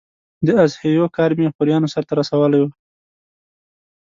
د اضحیو کار مې خوریانو سرته رسولی و.